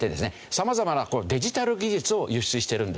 様々なデジタル技術を輸出してるんですね。